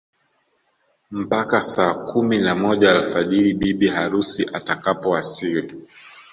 Mpaka saa kumi na moja alfajiri bibi harusi atakapowasili